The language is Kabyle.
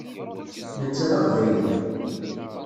Netta d aqbayli.